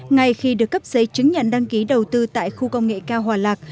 ngay khi được cấp giấy chứng nhận đăng ký đầu tư tại khu công nghệ cao hòa lạc